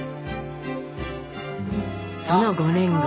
その５年後。